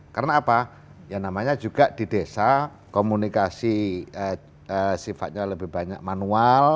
karena apa yang namanya juga di desa komunikasi sifatnya lebih banyak manual